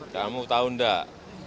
kamu tahu enggak